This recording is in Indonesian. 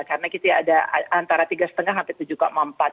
karena kita ada antara tiga lima sampai tujuh empat